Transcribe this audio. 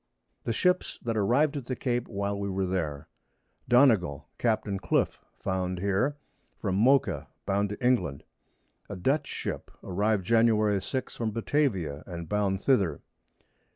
The Ships that arriv'd at the Cape while we were there. Donnegall, Capt. Cliff, found here, from Mocha bound to England. A Dutch Ship, arriv'd Jan. 6, from Batavia, and bound thither.